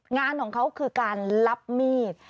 งานของเขาคือการรับมีด